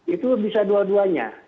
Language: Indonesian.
itu bisa dua duanya